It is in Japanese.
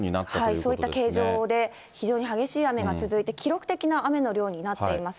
そういった形状で、非常に激しい雨が続いて、記録的な雨の量になっています。